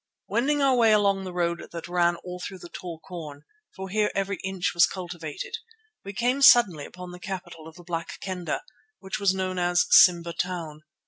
Wending our way along the road that ran through the tall corn, for here every inch was cultivated, we came suddenly upon the capital of the Black Kendah, which was known as Simba Town.